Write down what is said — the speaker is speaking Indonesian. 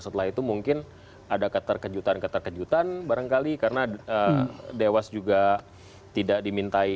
setelah itu mungkin ada keterkejutan keterkejutan barangkali karena dewas juga tidak dimintai